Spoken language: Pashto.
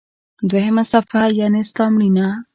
دوهمه صفحه: یعنی ستا مړینه.